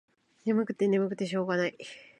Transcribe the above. ねむくてねむくてしょうがない。